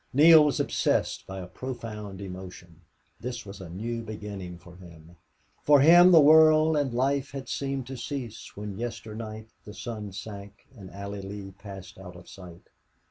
Neale was obsessed by a profound emotion. This was a new beginning for him. For him the world and life had seemed to cease when yesternight the sun sank and Allie Lee passed out of sight.